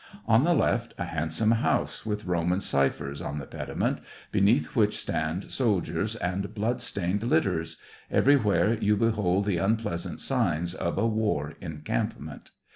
On the left a handsome house with Roman ciphers on the pediment, beneath which stand soldiers and blood stained litters — everywhere you behold the unpleasant signs of a war encampment.